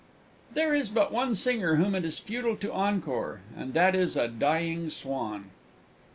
There is but one Singer whom it is futile to encore and that is a Dying Swan.